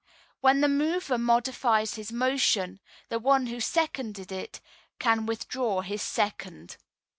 When the mover modifies his motion, the one who seconded it can withdraw his second.